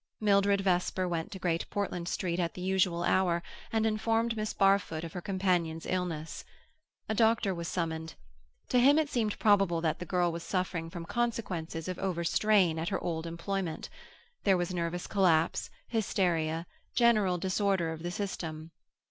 Mildred Vesper went to Great Portland Street at the usual hour, and informed Miss Barfoot of her companion's illness. A doctor was summoned; to him it seemed probable that the girl was suffering from consequences of overstrain at her old employment; there was nervous collapse, hysteria, general disorder of the system.